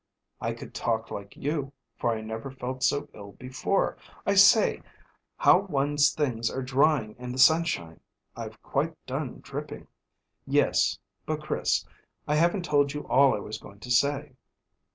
"I could talk like you, for I never felt so ill before. I say, how one's things are drying in the sunshine! I've quite done dripping." "Yes; but, Chris, I haven't told you all I was going to say."